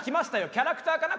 キャラクターかな？